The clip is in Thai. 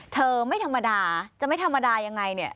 เธอไม่ธรรมดาจะไม่ธรรมดายังไง